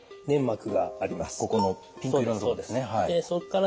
ここのピンク色の所ですね。